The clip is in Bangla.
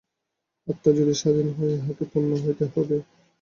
আত্মা যদি স্বাধীন হয়, ইহাকে পূর্ণ হইতেই হইবে।